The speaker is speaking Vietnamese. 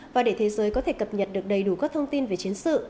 và để thế giới có thể cập nhật được đầy đủ các thông tin về chiến sự